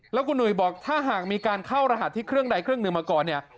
แล้วคุณหนุ่ยบอกถ้าหากมีการเข้ารหัสที่เครื่องใดเครื่องหนึ่งมาก่อนเนี่ย